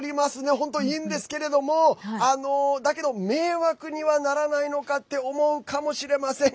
本当に委員ですけれども迷惑にならないのかって思うかもしれません。